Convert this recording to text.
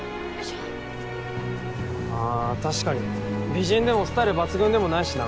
美人でもスタイル抜群でもないしな。